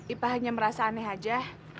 ipah hanya merasa aneh aja